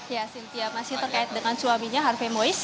ya sintia masih terkait dengan suaminya harvey mois